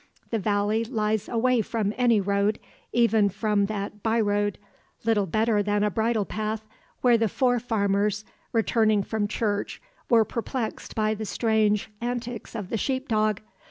The valley lies away from any road, even from that by road, little better than a bridlepath, where the four farmers, returning from church were perplexed by the strange antics of the sheepdog.